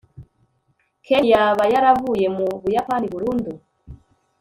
ken yaba yaravuye mu buyapani burundu